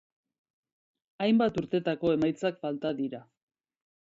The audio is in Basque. Hainbat urtetako emaitzak falta dira.